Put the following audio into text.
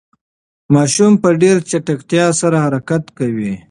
ماشوم په ډېرې چټکتیا سره حرکت کوي.